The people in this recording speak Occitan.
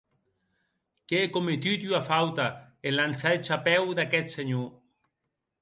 Qu’è cometut ua fauta en lançar eth chapèu d’aqueth senhor.